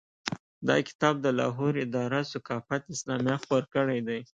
دا کتاب د لاهور اداره ثقافت اسلامیه خپور کړی دی.